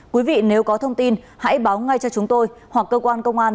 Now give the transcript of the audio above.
quý vị nếu có thông tin hãy báo ngay cho chúng tôi hoặc cơ quan công an